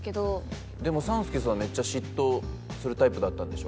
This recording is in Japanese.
でも３助さんめっちゃ嫉妬するタイプだったんでしょ？